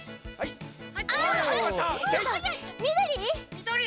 みどり？